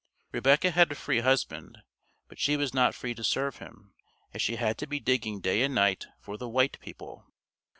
Rebecca had a free husband, but she was not free to serve him, as she had to be digging day and night for the "white people."